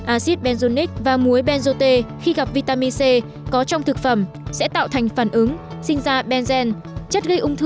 acid benzoic và muối benzoate khi gặp vitamin c có trong thực phẩm sẽ tạo thành phản ứng sinh ra benzene